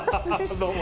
どうも。